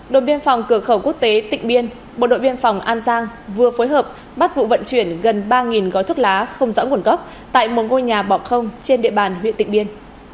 đồn biên phòng cửa khẩu quốc tế tịnh biên bộ đội biên phòng an giang vừa phối hợp bắt vụ vận chuyển gần ba gói thuốc lá không rõ nguồn gốc tại một ngôi nhà bọc không trên địa bàn huyện tịnh biên